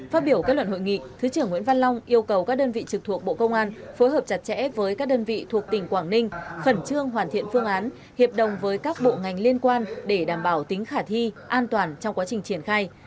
phát biểu kết luận hội nghị thứ trưởng nguyễn văn long yêu cầu các đơn vị trực thuộc bộ công an phối hợp chặt chẽ với các đơn vị thuộc tỉnh quảng ninh khẩn trương hoàn thiện phương án hiệp đồng với các bộ ngành liên quan để đảm bảo tính khả thi an toàn trong quá trình triển khai